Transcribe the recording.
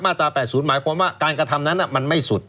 ตรา๘๐หมายความว่าการกระทำนั้นมันไม่สุด